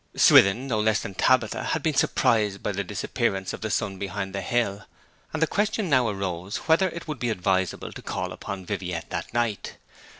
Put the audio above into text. Swithin, no less than Tabitha, had been surprised by the disappearance of the sun behind the hill; and the question now arose whether it would be advisable to call upon Viviette that night.